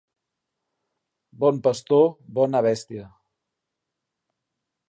Bon pastor, bona bèstia.